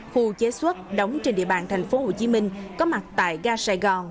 khu chế xuất đóng trên địa bàn tp hcm có mặt tại ga sài gòn